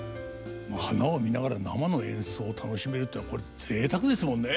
花を見ながら生の演奏を楽しめるっていうのはこれぜいたくですもんね。